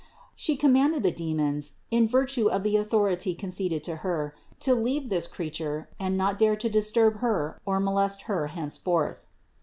She commanded the de mons, in virtue of the authority conceded to Her, to leave this creature and not dare to disturb her or molest her thenceforth.